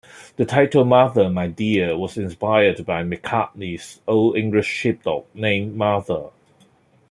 The title "Martha My Dear" was inspired by McCartney's Old English Sheepdog, named Martha.